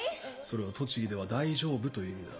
それは栃木では「大丈夫？」という意味だ。